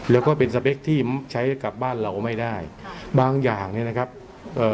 แล้วก็เป็นสเปคที่ใช้กลับบ้านเราไม่ได้บางอย่างเนี้ยนะครับเอ่อ